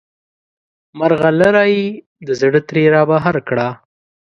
مرغلره یې د زړه ترې رابهر کړه.